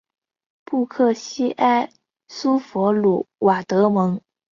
布克西埃苏弗鲁瓦德蒙。